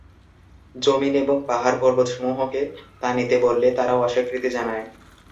যমীন এবং পাহাড় পর্বতসমূহকে তা নিতে বললে তারাও অস্বীকৃতি জানায়।